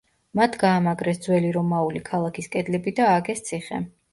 მათ გაამაგრეს ძველი რომაული ქალაქის კედლები და ააგეს ციხე.